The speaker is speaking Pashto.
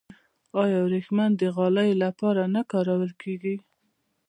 آیا وریښم د غالیو لپاره نه کارول کیږي؟